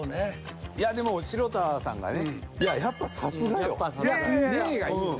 いやでも城田さんがねやっぱさすがよ。いやいやいや。